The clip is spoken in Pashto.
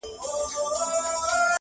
o نه ماتېږي مي هیڅ تنده بېله جامه,